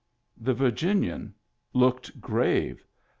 The Virginian looked grave.